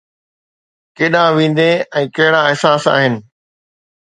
ڪيڏانهن ويندين ۽ ڪهڙا احساس آهن؟